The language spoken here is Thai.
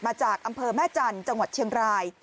มาจากอำเภอแม่จันทร์จังหวัดเชียงราย